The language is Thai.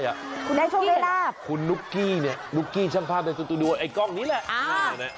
คุณได้โชคได้ลาบคุณนุ๊กกี้เนี่ยนุ๊กกี้ช่างภาพในสตูดิโอไอ้กล้องนี้แหละ